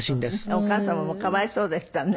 お母様もかわいそうでしたね。